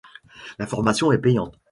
La formation est payante.